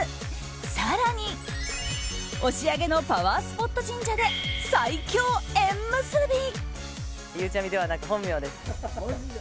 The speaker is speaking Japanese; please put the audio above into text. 更に押上のパワースポット神社で最強縁結び。